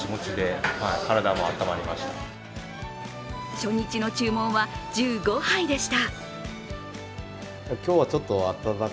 初日の注文は１５杯でした。